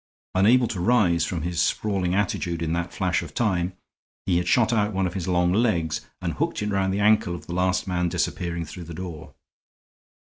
Unable to rise from his sprawling attitude in that flash of time, he had shot out one of his long legs and hooked it round the ankle of the last man disappearing through the door.